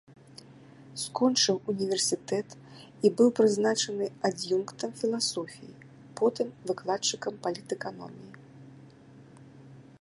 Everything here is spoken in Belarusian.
Скончыў універсітэт і быў прызначаны ад'юнктам філасофіі, потым выкладчыкам палітэканоміі.